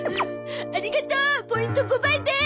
ありがとうポイント５倍デー。